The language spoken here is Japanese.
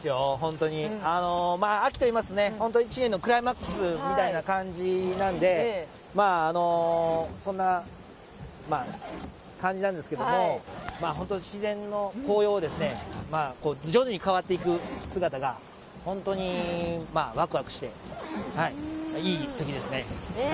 秋といいますと本当に１年のクライマックスみたいな感じなので本当に自然の紅葉を徐々に変わっていく姿が本当にわくわくしていいときですね。